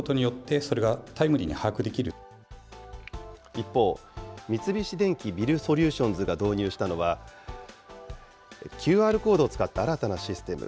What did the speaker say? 一方、三菱電機ビルソリューションズが導入したのは、ＱＲコードを使った新たなシステム。